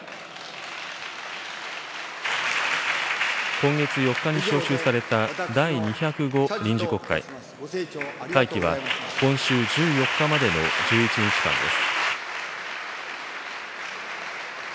今月４日に召集された第２０５臨時国会、会期は今週１４日までの１１日間です。